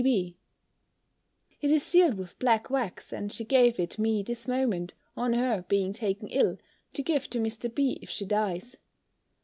P.B." It is sealed with black wax, and she gave it me this moment, on her being taken ill, to give to Mr. B. if she dies.